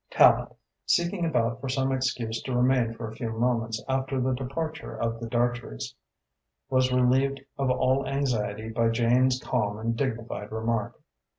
Tallente, seeking about for some excuse to remain for a few moments after the departure of the Dartreys, was relieved of all anxiety by Jane's calm and dignified remark.